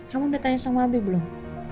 kamu udah tanya sama habib belum